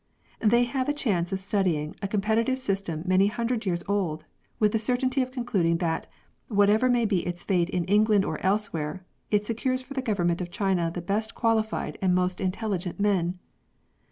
They have a chance of studying a competitive system many hundred years old, with the certainty of concluding that, whatever may be its fate in England or elsewhere, it secures for the government of China the best qualified and most intelligent men.